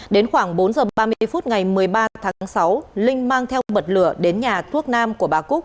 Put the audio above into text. đến khoảng bốn giờ ba mươi phút ngày một mươi ba tháng sáu linh mang theo mật lửa đến nhà thuốc nam của bà cúc